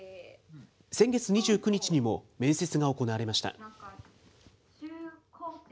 先月２９日にも面接が行われました。